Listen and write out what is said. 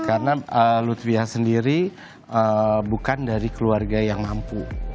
karena lutfiah sendiri bukan dari keluarga yang mampu